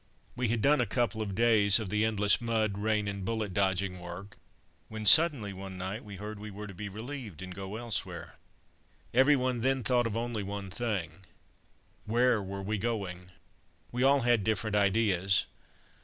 We had done a couple of days of the endless mud, rain, and bullet dodging work when suddenly one night we heard we were to be relieved and go elsewhere. Every one then thought of only one thing where were we going? We all had different ideas.